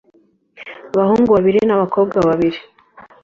abahungu babiri n’abakobwa babiri